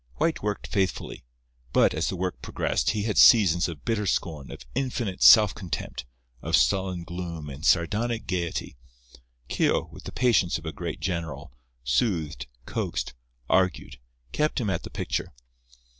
White worked faithfully. But, as the work progressed, he had seasons of bitter scorn, of infinite self contempt, of sullen gloom and sardonic gaiety. Keogh, with the patience of a great general, soothed, coaxed, argued—kept him at the picture.